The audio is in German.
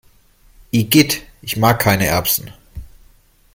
Igitt, ich mag keine Erbsen!